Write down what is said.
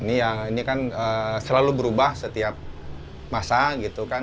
ini kan selalu berubah setiap masa gitu kan